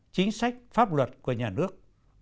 chính sách pháp luật của nhà nước